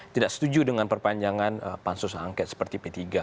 tidak setuju dengan perpanjangan pansus angket seperti p tiga